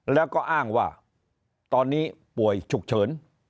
แล้วก็อ้างว่าตอนนี้ป่วยฉุกเฉิน